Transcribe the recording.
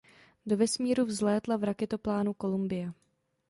Do vesmíru vzlétla v raketoplánu Columbia.